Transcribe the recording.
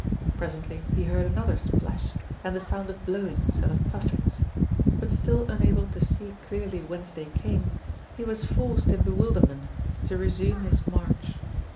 Presently he heard another splash and the sound of blowings and of puffings, but still unable to see clearly whence they came, he was forced in bewilderment to resume his march.